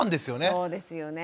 そうですよね。